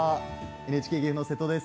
ＮＨＫ岐阜の瀬戸です。